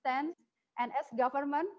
dan sebagai pemerintah